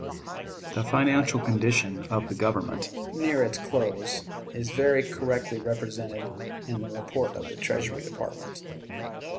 The financial condition of the Government, near its close, is very correctly represented in the report of the Treasury Department.